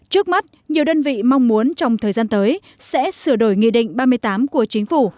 trước mắt nhiều đơn vị mong muốn trong thời gian tới sẽ sửa đổi nghị định ba mươi tám của chính phủ